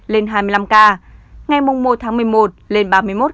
ba mươi một một mươi lên hai mươi năm ca ngày một một mươi một lên ba mươi một